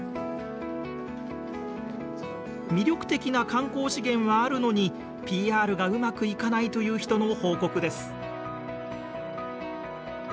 魅力的な観光資源はあるのにＰＲがうまくいかないという人の報告です。